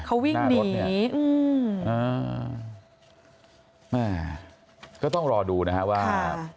เขาวิ่งหนีอืมอ่าแม่ก็ต้องรอดูนะฮะว่า